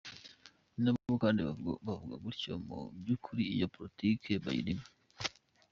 N’abo kandi bavuga gutyo mu by’ukuri iyo polotiki bayirimo!